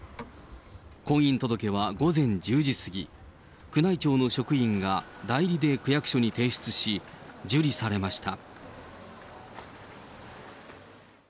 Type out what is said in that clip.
婚姻届は午前１０時過ぎ、宮内庁の職員が代理で区役所に提出し、受理されました。